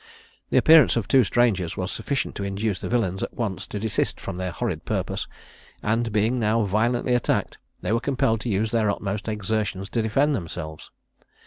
The appearance of two strangers was sufficient to induce the villains at once to desist from their horrid purpose; and being now violently attacked, they were compelled to use their utmost exertions to defend themselves.